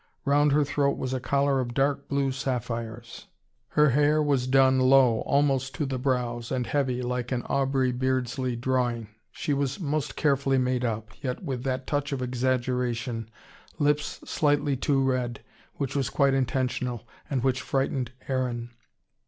Round her throat was a collar of dark blue sapphires. Her hair was done low, almost to the brows, and heavy, like an Aubrey Beardsley drawing. She was most carefully made up yet with that touch of exaggeration, lips slightly too red, which was quite intentional, and which frightened Aaron.